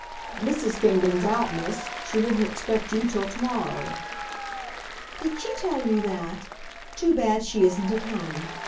"Mrs. Kingdon's out, Miss. She didn't expect you till to morrow." "Did she tell you that? Too bad she isn't at home!